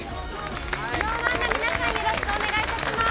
ＳｎｏｗＭａｎの皆さんよろしくお願いいたします。